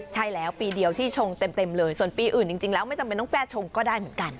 ใช่แล้วปีเดียวที่ชงเต็มเลยส่วนปีอื่นจริงแล้วไม่จำเป็นต้องแก้ชงก็ได้เหมือนกัน